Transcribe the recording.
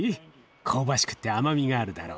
香ばしくって甘みがあるだろ？